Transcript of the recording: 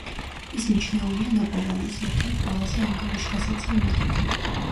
ის მიჩნეულია ნაპოლეონის ერთ-ერთ ყველაზე ანგარიშგასაწევ მეტოქედ.